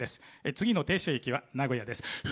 次の停車駅は名古屋です。